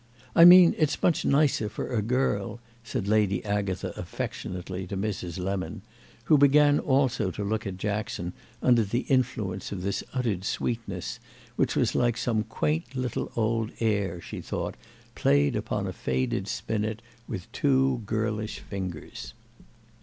I mean it's much nicer—for a girl," said Lady Agatha affectionately to Mrs. Lemon, who began also to look at Jackson under the influence of this uttered sweetness which was like some quaint little old air, she thought, played upon a faded spinet with two girlish fingers.